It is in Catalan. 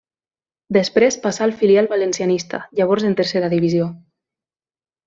Després passà al filial valencianista, llavors en Tercera divisió.